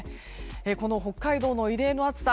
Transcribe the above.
この北海道の異例の暑さ